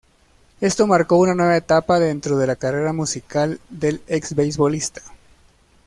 Esto marcó una nueva etapa dentro de la carrera musical del ex beisbolista.